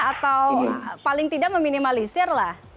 atau paling tidak meminimalisirlah